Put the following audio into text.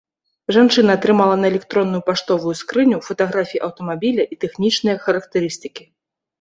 Жанчына атрымала на электронную паштовую скрыню фатаграфіі аўтамабіля і тэхнічныя характарыстыкі.